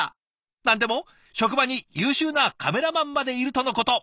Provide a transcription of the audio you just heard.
何でも職場に優秀なカメラマンまでいるとのこと。